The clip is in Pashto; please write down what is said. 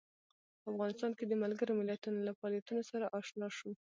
په افغانستان کې د ملګرو ملتونو له فعالیتونو سره آشنا شو.